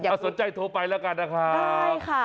ถ้าสนใจโทรไปแล้วกันนะคะ